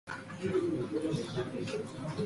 偶尔会有不一般的。